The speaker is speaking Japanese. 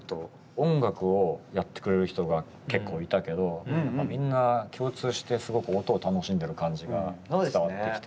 音楽をやってくれる人が結構いたけどみんな共通してすごく音を楽しんでる感じが伝わってきて。